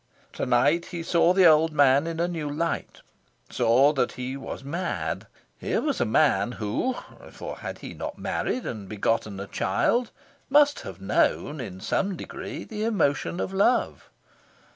To night he saw the old man in a new light saw that he was mad. Here was a man who for had he not married and begotten a child? must have known, in some degree, the emotion of love.